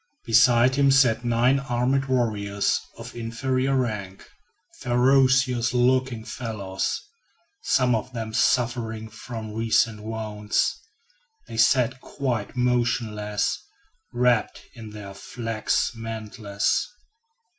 Beside him sat nine armed warriors of inferior rank, ferocious looking fellows, some of them suffering from recent wounds. They sat quite motionless, wrapped in their flax mantles.